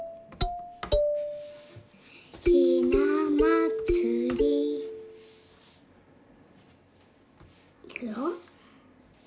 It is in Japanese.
「ひなまつり」いくよ。